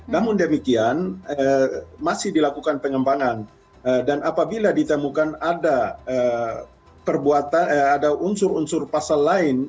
namun demikian masih dilakukan pengembangan dan apabila ditemukan ada unsur unsur pasal lain